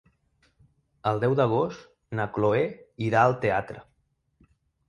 El deu d'agost na Cloè irà al teatre.